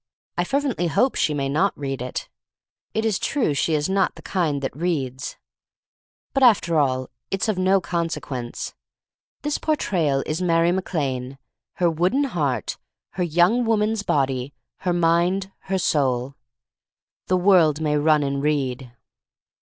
I fervently hope she may not read it. It is true she is not of the kind that reads. But, after all, it's of no consequence. This Portrayal is Mary Mac Lane: her r 146 THE STORY OF MARY MAC LANE wooden heart, her young woman' s body, her mind, her soul. The world may run and read.